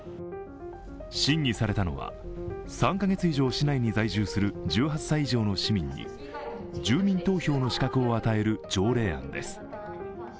審議されたのは、３カ月以上市内に在住する１８歳以上の市民に住民投票の資格を与える条例案です。